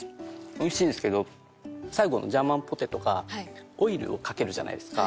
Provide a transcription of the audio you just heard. おいしいですけど最後のジャーマンポテトがオイルをかけるじゃないですか。